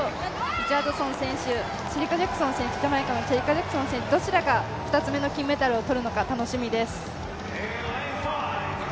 リチャードソン選手、ジャマイカのシェリカ・ジャクソン選手どちらが２つ目の金メダルを取るのか楽しみです。